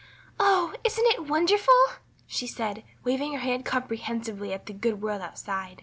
"Oh, isn't it wonderful?" she said, waving her hand comprehensively at the good world outside.